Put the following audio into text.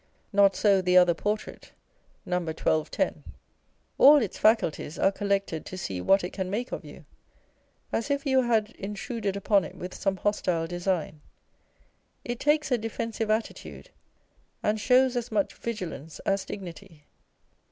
Not so the other portrait, No. 1210. All its faculties are collected to see what it can make of you, as if you had intruded upon it with some hostile design ; it takes a defensive attitude, and shows as much vigilance as dignity.